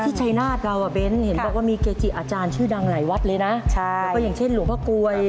ที่ชายนาฏเรามีเกจิอาจารย์ชื่อยุธนหลายวัดเลยนะ